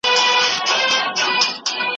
هغه پاڅي تشوي به کوثرونه